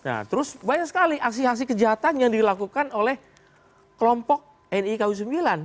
nah terus banyak sekali aksi aksi kejahatan yang dilakukan oleh kelompok nii kawi ix